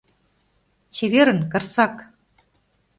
Чеверын, карсак!